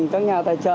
các nhà tài trợ